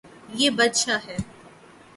یے بدشاہ ہے